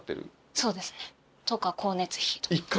そうですね光熱費とか。